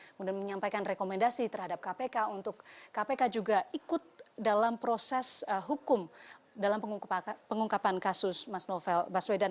kemudian menyampaikan rekomendasi terhadap kpk untuk kpk juga ikut dalam proses hukum dalam pengungkapan kasus mas novel baswedan